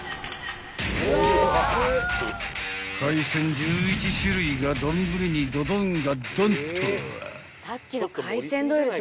［海鮮１１種類が丼にドドンがドンと］